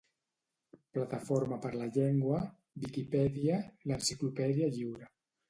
Plataforma per la Llengua - Viquipèdia, l'enciclopèdia lliure